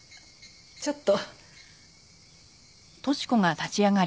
ちょっと。